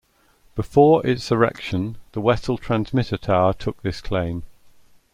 Before its erection the Wesel transmitter tower took this claim.